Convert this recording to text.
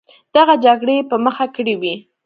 دغه جګړې یې په مخه کړې وې.